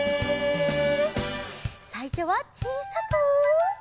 さいしょはちいさく。